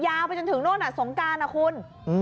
ยาวไปจนถึงโน่นน่ะสงกานะคุณ